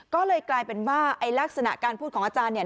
ก็เลยกลายเป็นว่าไอ้ลักษณะการพูดของอาจารย์เนี่ย